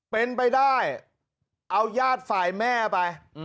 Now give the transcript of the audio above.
เป็นไปได้เอายาดฝ่ายแม่ไป